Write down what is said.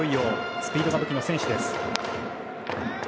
スピードが武器の選手です。